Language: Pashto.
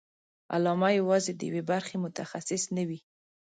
علامه یوازې د یوې برخې متخصص نه وي.